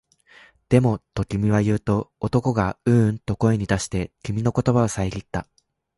でも、と君は言うと、男がううんと声に出して、君の言葉をさえぎった